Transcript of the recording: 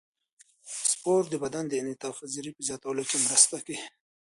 سپورت د بدن د انعطاف پذیرۍ په زیاتولو کې مرسته کوي.